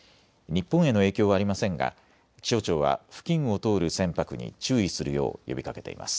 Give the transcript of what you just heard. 日本への影響はありませんが気象庁は付近を通る船舶に注意するよう呼びかけています。